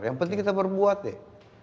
yang penting kita berbuat deh